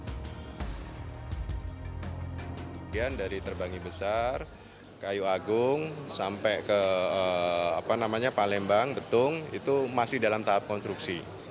kemudian dari terbanggi besar kayu agung sampai ke palembang betung itu masih dalam tahap konstruksi